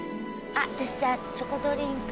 私じゃあチョコドリンク。